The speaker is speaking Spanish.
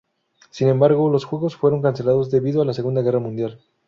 Sin embargo, los Juegos fueron cancelados debido a la Segunda Guerra Mundial.